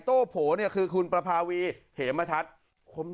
โต้โผเนี่ยคือคุณประภาวีเหมทัศน์